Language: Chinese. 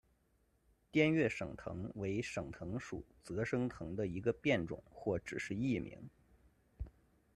滇越省藤为省藤属泽生藤的一个变种或只是异名。